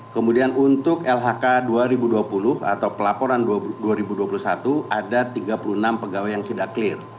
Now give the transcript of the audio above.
kemudian untuk lhk dua ribu dua puluh atau pelaporan dua ribu dua puluh satu ada tiga puluh enam pegawai yang tidak clear